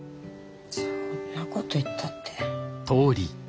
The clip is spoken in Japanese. そんなこと言ったって。